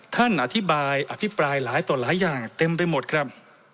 ท่านอธิบายอภิปรายหลายต่อหลายอย่างเต็มไปหมดครับ